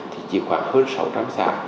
thì chỉ khoảng hơn sáu trăm linh xã